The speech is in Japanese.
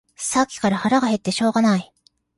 さっきから腹が鳴ってしょうがない